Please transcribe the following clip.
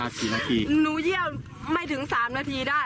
นี่ได้ด้วยกี่นาทีหรือดูเยี่ยมจะได้มาไม่ถึง๓นาที